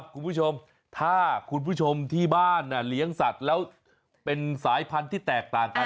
คุณผู้ชมถ้าคุณผู้ชมที่บ้านเลี้ยงสัตว์แล้วเป็นสายพันธุ์ที่แตกต่างกัน